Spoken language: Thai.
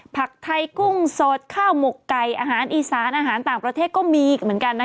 ผักไทยกุ้งสดข้าวหมกไก่อาหารอีสานอาหารต่างประเทศก็มีอีกเหมือนกันนะคะ